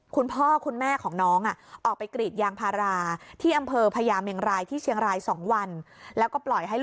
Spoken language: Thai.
คุณพ่อคุณแม่ของน้องออกไปกรีดยางพารา